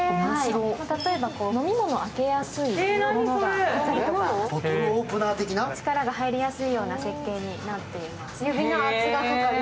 例えば飲み物開けやすいボトルとか、力が入りやすいような設計になっています。